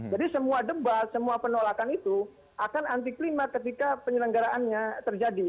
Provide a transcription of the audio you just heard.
jadi semua debat semua penolakan itu akan anti klima ketika penyelenggaraannya terjadi